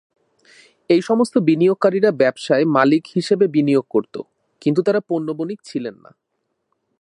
এই সমস্ত বিনিয়োগকারীরা ব্যবসায়ে মালিক হিসেবে বিনিয়োগ করত, কিন্তু তারা পণ্য বণিক ছিলেন না।